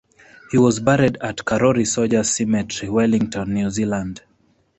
He was buried at Karori Soldier's Cemetery, Wellington, New Zealand.